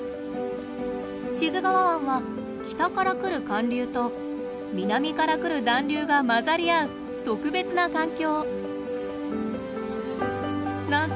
志津川湾は北から来る寒流と南から来る暖流が混ざり合う特別な環境。